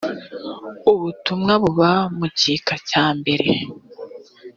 ubutumwa buba mugika cyambere